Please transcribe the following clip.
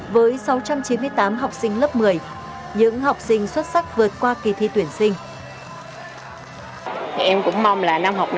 với sáu trăm chín mươi tám học sinh lớp một mươi những học sinh xuất sắc vượt qua kỳ thi tuyển sinh